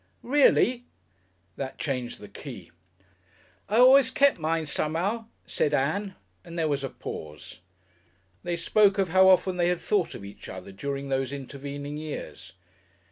"Reely?" That changed the key. "I always kept mine, some'ow," said Ann, and there was a pause. They spoke of how often they had thought of each other during those intervening years.